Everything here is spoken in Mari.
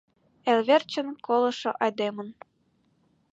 ...Эл верчын колышо айдемын